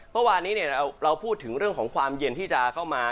เมื่อวานนี้เราพูดถึงเรื่องของความเย็นที่จะเข้ามา